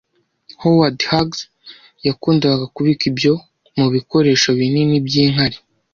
Howard Hughs yakundaga kubika ibyo mu bikoresho binini by'inkari